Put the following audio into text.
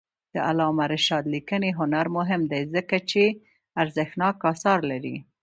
د علامه رشاد لیکنی هنر مهم دی ځکه چې ارزښتناک آثار لري.